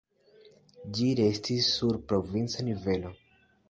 Ĝi restis sur provinca nivelo.